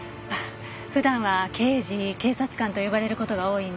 普段は刑事警察官と呼ばれる事が多いんです。